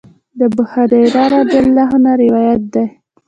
د ابوهريره رضی الله عنه نه روايت دی :